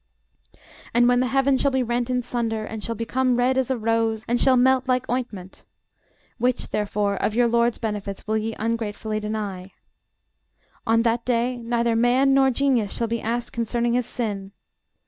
And when the heaven shall be rent in sunder, and shall become red as a rose, and shall melt like ointment: (Which, therefore, of your LORD'S benefits will ye ungratefully deny?) On that day neither man nor genius shall be asked concerning his sin.